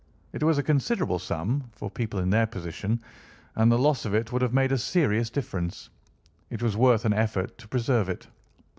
It was a considerable sum, for people in their position, and the loss of it would have made a serious difference. It was worth an effort to preserve it.